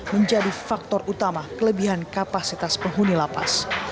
menjadi faktor utama kelebihan kapasitas penghuni lapas